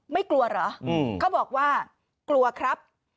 ไม่กลัวเหรอเขาบอกว่ากลัวครับ